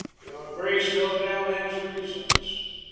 Your Grace no doubt has reasons.